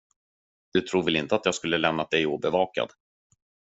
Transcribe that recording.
Du tror väl inte att jag skulle lämnat dig obevakad?